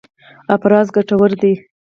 افراز ګټور دی.